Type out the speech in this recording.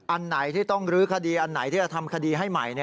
อันไหนที่ต้องลื้อคดีอันไหนที่จะทำคดีให้ใหม่